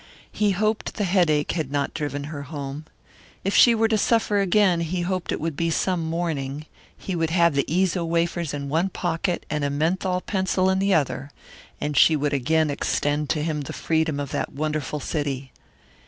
He hoped the headache had not driven her home. If she were to suffer again he hoped it would be some morning. He would have the Eezo wafers in one pocket and a menthol pencil in the other. And she would again extend to him the freedom of that wonderful city.